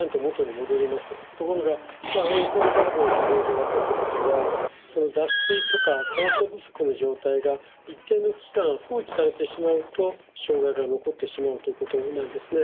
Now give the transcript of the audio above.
ところがエルサルバドルの事例で分かったことは脱水とか酸素不足の状態が一定の期間放置されてしまうと障害が残ってしまうということなんですね。